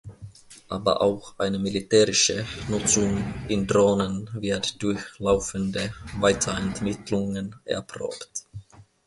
Aber auch eine militärische Nutzung in Drohnen wird durch laufende Weiterentwicklungen erprobt.